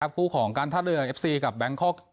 ครับครูของการท่าเรือเอฟซีกับแบล็งค็อก